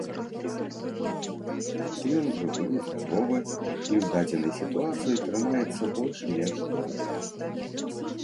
Ён жывы, здаровы і ў дадзенай сітуацыі трымаецца больш-менш добра.